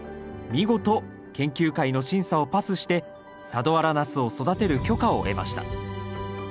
見事研究会の審査をパスして佐土原ナスを育てる許可を得ました。